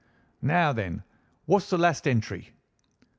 '" "Now, then, what's the last entry?"